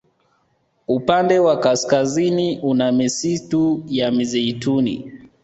Upande wa kaskazini una misistu ya mizeituni